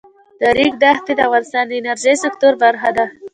د ریګ دښتې د افغانستان د انرژۍ سکتور برخه ده.